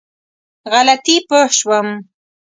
غلطي پوه شوم.